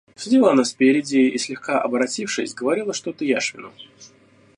Сидела она спереди и, слегка оборотившись, говорила что-то Яшвину.